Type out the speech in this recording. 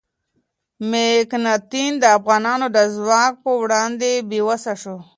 مکناتن د افغانانو د ځواک په وړاندې بې وسه شو.